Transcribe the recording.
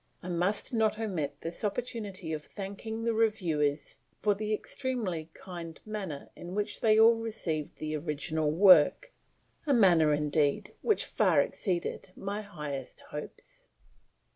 I must not omit this opportunity of thanking the Reviewers for the extremely kind manner in which they all received the original work a manner, indeed, which far exceeded my highest hopes.